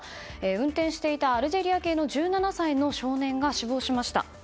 運転していたアルジェリア系の１７歳の少年が死亡しました。